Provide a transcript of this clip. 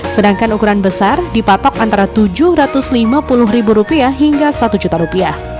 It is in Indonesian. sedangkan ukuran besar dipatok antara rp tujuh ratus lima puluh hingga rp satu